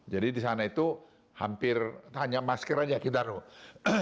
jadi di sana itu hampir hanya masker saja kita tahu